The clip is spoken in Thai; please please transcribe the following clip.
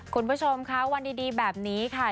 คุณผู้ชมค่ะวันดีแบบนี้ค่ะ